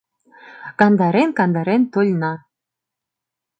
Кандарен-кандарен тольна